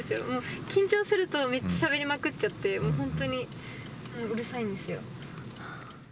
もう、緊張すると、めっちゃしゃべりまくっちゃって、本当に、うるさいんですよ。